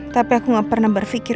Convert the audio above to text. tapi aku gak pernah berpikir